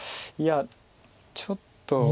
いやちょっと。